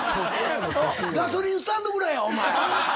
ガソリンスタンドぐらいや。